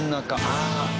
ああ